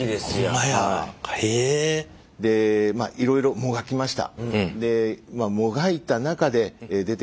ほんまや。でいろいろもがきました。